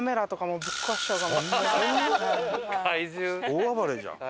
大暴れじゃん。